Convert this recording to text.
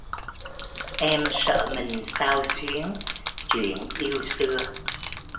Em sợ mình xao xuyến chuyện yêu xưa